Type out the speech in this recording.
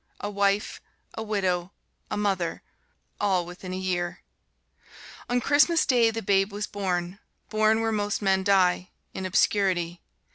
A wife, a widow, a mother all within a year! On Christmas Day the babe was born born where most men die: in obscurity.